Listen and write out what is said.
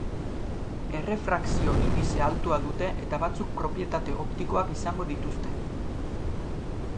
Errefrakzio-indize altua dute eta batzuk propietate optikoak izango dituzte.